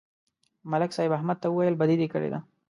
ملک صاحب احمد ته وویل: بدي دې کړې ده